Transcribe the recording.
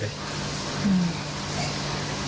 อืม